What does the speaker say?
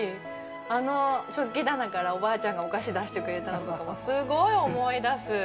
あの食器棚から、おばあちゃんがお菓子出してくれたのとかもすごい思い出す。